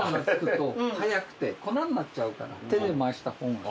手で回した方が。